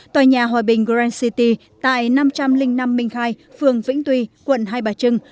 tòa nhà hòa bình grand city tại năm trăm linh năm minh khai phường vĩnh tuy quận hai bà trưng